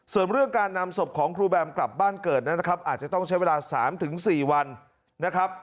ส่วนเรื่องการนำศพของครูแบมกลับบ้านเกิดนั้นนะครับอาจจะต้องใช้เวลา๓๔วันนะครับ